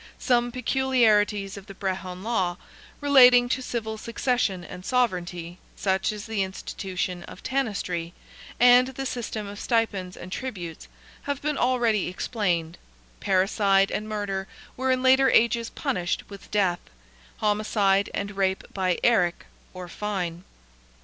Some peculiarities of the Brehon law, relating to civil succession and sovereignty, such as the institution of Tanistry, and the system of stipends and tributes, have been already explained; parricide and murder were in latter ages punished with death; homicide and rape by eric or fine.